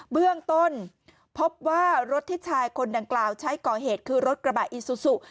เบื้องต้นพบว่ารถที่ชายคนดังกล่าวใช้ก่อเหตุคือรถกระบะอีซูซู